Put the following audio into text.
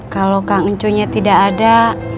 kalau kang uncunya tidak ada